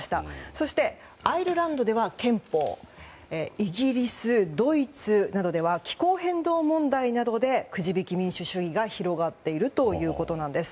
そしてアイルランドでは憲法イギリス、ドイツなどでは気候変動問題などでくじ引き民主主義が広がっているということです。